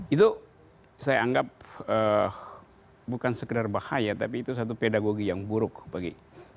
itu saya anggap bukan sekedar bahaya tapi itu satu pedagogi yang buruk bagi